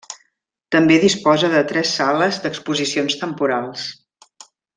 També disposa de tres sales d'exposicions temporals.